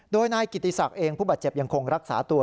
โดยนายกิติศักดิ์เองผู้บาดเจ็บยังคงรักษาตัว